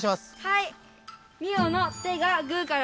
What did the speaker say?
はい！